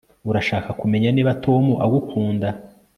Urashaka kumenya niba Tom agukunda